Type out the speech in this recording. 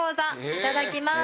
「いただきます。